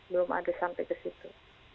belum ada sampai ke situ